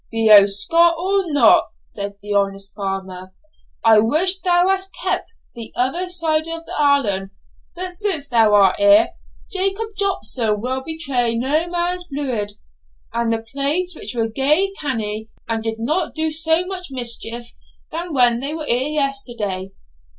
'Be ho Scot or no,' said the honest farmer, 'I wish thou hadst kept the other side of the hallan. But since thou art here, Jacob Jopson will betray no man's bluid; and the plaids were gay canny, and did not do so much mischief when they were here yesterday.'